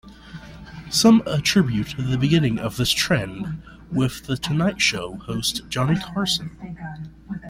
Some attribute the beginning of this trend with "The Tonight Show" host Johnny Carson.